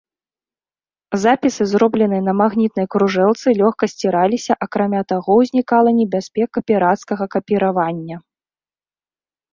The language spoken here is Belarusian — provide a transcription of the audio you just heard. Запісы, зробленыя на магнітнай кружэлцы, лёгка сціраліся, акрамя таго, узнікала небяспека пірацкага капіравання.